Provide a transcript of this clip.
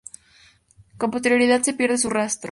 Con posterioridad se pierde su rastro.